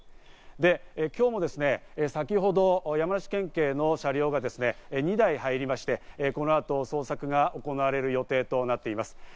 で、今日も先ほど山梨県警の車両が２台入りまして、この後、捜索が行われる予定となっています。